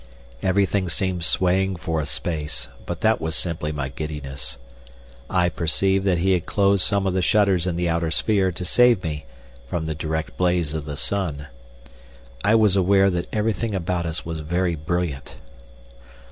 Everything seemed swaying for a space, but that was simply my giddiness. I perceived that he had closed some of the shutters in the outer sphere to save me—from the direct blaze of the sun. I was aware that everything about us was very brilliant.